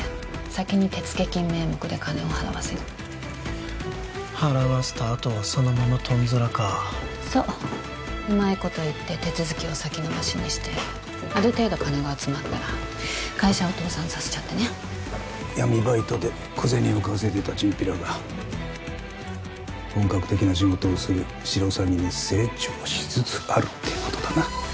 先に手付金名目で金を払わせる払わせたあとはそのままトンズラかそっうまいこと言って手続きを先延ばしにしてある程度金が集まったら会社を倒産させちゃってね闇バイトで小銭を稼いでたチンピラが本格的な仕事をするシロサギに成長しつつあるってことだな